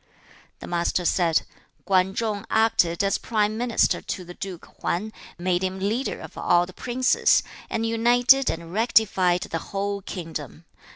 2. The Master said, 'Kwan Chung acted as prime minister to the Duke Hwan, made him leader of all the princes, and united and rectified the whole kingdom.